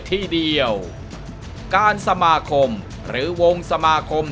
ที่เดียวการสมาคมหรือวงสมาคม